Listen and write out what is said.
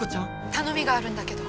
頼みがあるんだけど。